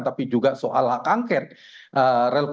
tapi juga soal hak angket